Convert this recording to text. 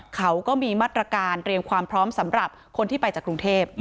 เขาก็มีมาตรการเตรียมความพร้อมสำหรับคนที่ไปจากกรุงเทพ